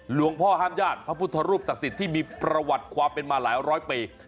หลวงพ่อห้ามญาติพระพุทธรูปศักดิ์สิทธิ์ที่มีประวัติความเป็นมาหลายร้อยปี